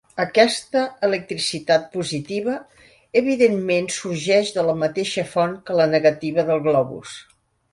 Aquesta electricitat positiva, evidentment, sorgeix de la mateixa font que la negativa del globus.